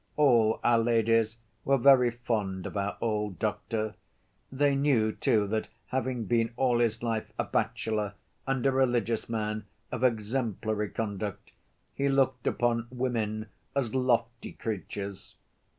All our ladies were very fond of our old doctor; they knew, too, that having been all his life a bachelor and a religious man of exemplary conduct, he looked upon women as lofty creatures.